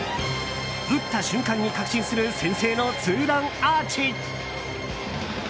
打った瞬間に確信する先制のツーランアーチ。